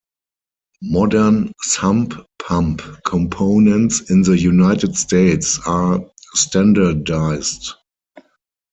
Modern sump pump components in the United States are standardized.